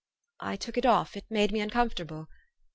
"" I took it off. It made me uncomfortable."